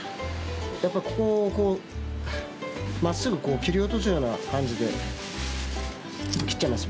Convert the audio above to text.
やっぱここをこうまっすぐこう切り落とすような感じで切っちゃいます